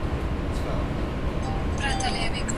د هر علم ارزښت د هغه علم د موضوع سره مناسبت لري.